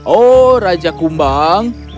oh raja kumbang